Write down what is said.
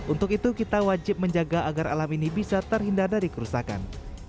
untuk itu kita wajib menjaga agar alam ini bisa terhindar dari kerusakan